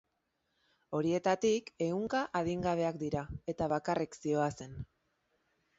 Horietatik, ehunka adingabeak dira eta bakarrik zihoazen.